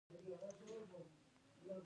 سیلابونه د افغانستان د شنو سیمو ښکلا ده.